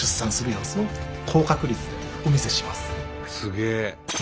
すげえ！